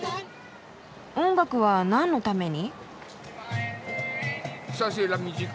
音楽はなんのために？